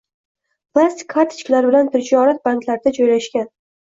Plastik kartochkalar bilan tijorat banklarida joylashgan